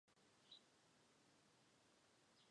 这套技巧后来被阮氏发展成为一套强身的体操。